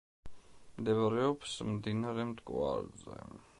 მდებარეობს მდინარე მტკვარზე.